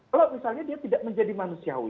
kalau misalnya dia tidak menjadi manusiawi